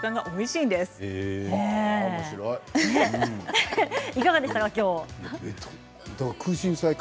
いかがでしたか？